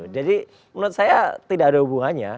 menurut saya tidak ada hubungannya